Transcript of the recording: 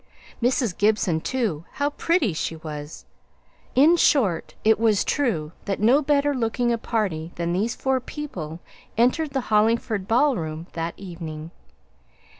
Mrs. Gibson, too how pretty she was! In short, it was true that no better looking a party than these four people entered the Hollingford ball room that evening.